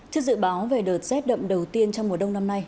trước dự báo về đợt rét đậm đầu tiên trong mùa đông năm nay